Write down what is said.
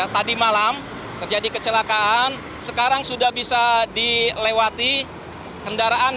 tadi malam terjadi kecelakaan sekarang sudah bisa dilewati kendaraan